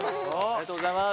ありがとうございます。